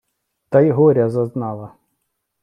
Та й горя зазнала